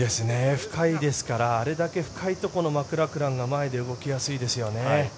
深いですからあれだけ深いところのマクラクラン前で動きやすいですよね。